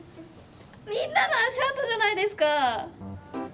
みんなの足跡じゃないですか！